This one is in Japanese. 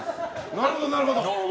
なるほど、なるほど。